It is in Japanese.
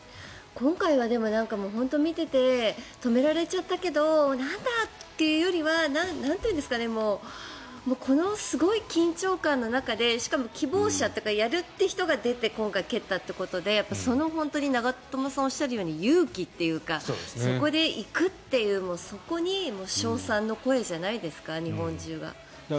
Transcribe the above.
今回は本当に見ていて止められちゃったけどなんだというよりはなんていうんですかねこのすごい緊張感の中でしかも希望者とかやるって人が出て今回、蹴ったということで長友さんがおっしゃるように勇気っていうかそこで行くっていうそこに称賛の声じゃないですか日本中が。